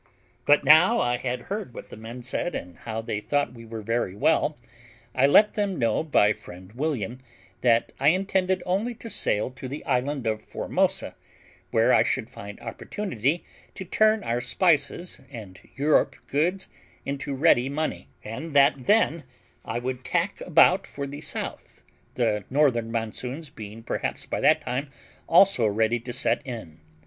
But now I had heard what the men said, and how they thought we were very well, I let them know by friend William, that I intended only to sail to the island of Formosa, where I should find opportunity to turn our spices and Europe goods into ready money, and that then I would tack about for the south, the northern monsoons being perhaps by that time also ready to set in.